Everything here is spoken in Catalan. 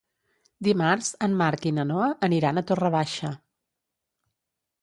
Dimarts en Marc i na Noa aniran a Torre Baixa.